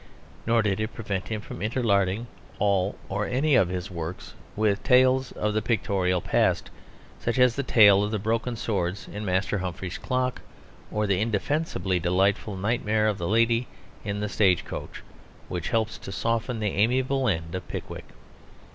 Nor did it prevent him from interlarding all or any of his works with tales of the pictorial past, such as the tale of the broken swords in Master Humphrey's Clock, or the indefensibly delightful nightmare of the lady in the stage coach, which helps to soften the amiable end of Pickwick.